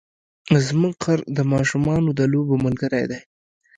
زموږ خر د ماشومانو د لوبو ملګری دی.